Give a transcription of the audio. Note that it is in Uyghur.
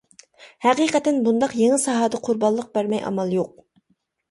ھەقىقەتەن بۇنداق يېڭى ساھەدە قۇربانلىق بەرمەي ئامال يوق.